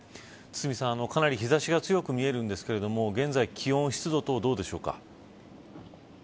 堤さん、かなり日差しが強く見えるんですが現在、気温や湿度はどうですか。